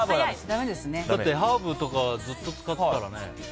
だって、ハーブとかずっと使ってたらね。